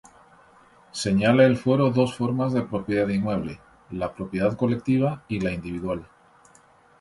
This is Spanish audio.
Señala el fuero dos formas de propiedad inmueble: la propiedad colectiva y la individual.